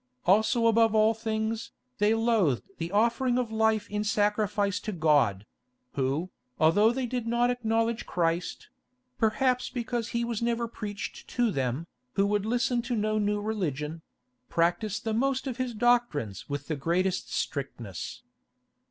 Also above all things, they loathed the offering of life in sacrifice to God; who, although they did not acknowledge Christ—perhaps because He was never preached to them, who would listen to no new religion—practised the most of His doctrines with the greatest strictness.